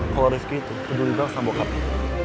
kalo rizky itu peduli banget sama bokapnya